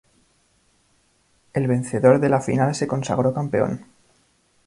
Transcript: El vencedor de la final se consagró campeón.